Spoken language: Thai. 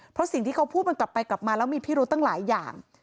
เพราะสิ่งที่เขาพูดมันกลับไปกลับมาแล้วมีพิรุธตั้งหลายอย่าง